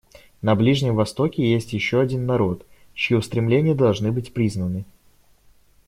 На Ближнем Востоке есть еще один народ, чьи устремления должны быть признаны.